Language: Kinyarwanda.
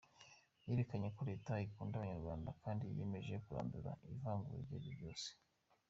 Yerekanye ko leta ikunda Abanyarwanda kandi yiyemeje kurandura ivangura iryo ari ryo ryose.